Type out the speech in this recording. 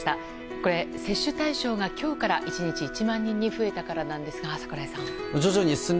これ、接種対象が今日から１日１万人に増えたからなんですが、櫻井さん。